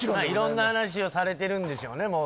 いろんな話をされてるんでしょうね